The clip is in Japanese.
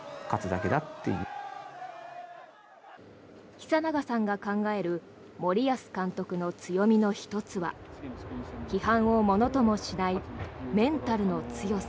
久永さんが考える森保監督の強みの１つは批判を物ともしないメンタルの強さ。